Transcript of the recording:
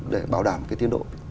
để bảo đảm cái tiến độ